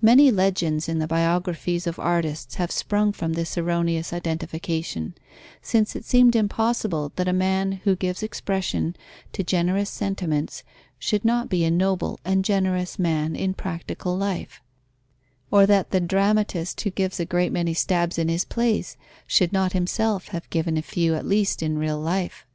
Many legends in the biographies of artists have sprung from this erroneous identification, since it seemed impossible that a man who gives expression to generous sentiments should not be a noble and generous man in practical life; or that the dramatist who gives a great many stabs in his plays, should not himself have given a few at least in real life.